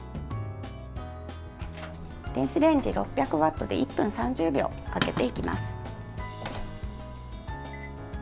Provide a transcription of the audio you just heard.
電子レンジ、６００ワットで１分３０秒かけていきます。